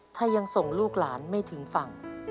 ถ้ายังส่งลูกหลานไม่ถึงฝั่ง